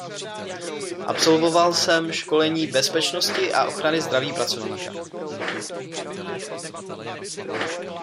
Absolvoval jsem školení Bezpečnosti a ochrany zdraví pracovníka.